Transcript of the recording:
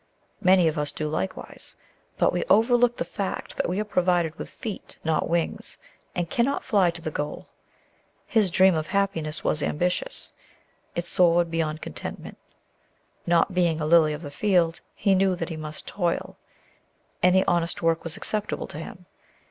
Many of us do likewise; but we overlook the fact that we are provided with feet, not wings, and cannot fly to the goal. His dream of happiness was ambitious; it soared beyond contentment. Not being a lily of the field, he knew that he must toil; any honest work was acceptable to him.